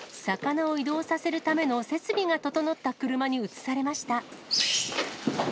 魚を移動させるための設備が整った車に移されました。